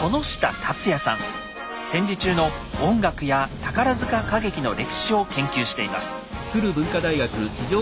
戦時中の音楽や宝歌劇の歴史を研究しています。